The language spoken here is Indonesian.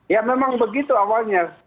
ya memang begitu awalnya